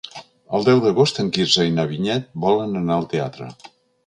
El deu d'agost en Quirze i na Vinyet volen anar al teatre.